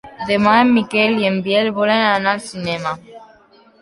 Demà en Miquel i en Biel volen anar al cinema.